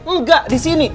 enggak di sini